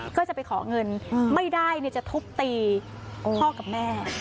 ก็จะไปขอเงินไม่ได้จะทุบตีพ่อกับแม่